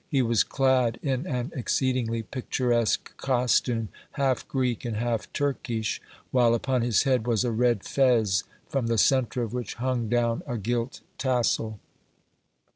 He was clad in an exceedingly picturesque costume, half Greek and half Turkish, while upon his head was a red fez from the centre of which hung down a gilt tassel.